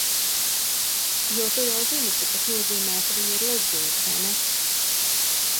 Jo tu jau zini, ka tas nozīmē, ka viņa ir lezbiete, vai ne?